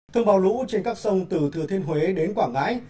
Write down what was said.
thương bào lũ trên các sông từ thừa thiên huế đến quảng ngãi